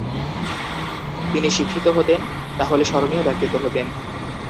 তিনি শিক্ষিত হতেন, তাহলে স্মরণীয় ব্যক্তিত্ব হতেন।